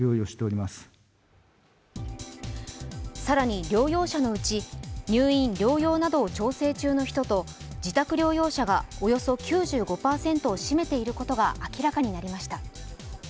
更に療養者のうち入院・療養などを調整中の人と自宅療養者がおよそ９５％を占めていることが明らかになりました。